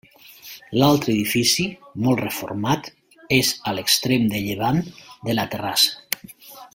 L'altre edifici, molt reformat, és a l'extrem de llevant de la terrassa.